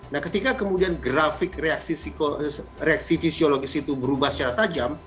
nah ketika kemudian grafik reaksi fisiologis itu berubah secara tajam